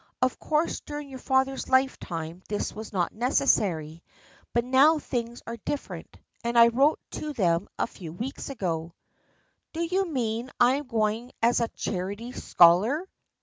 Of course during your father's lifetime this was not necessary, but now things are different, and I wrote to them a few weeks ago." " Do you mean I am going as a charity scholar?"